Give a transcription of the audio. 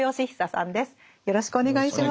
よろしくお願いします。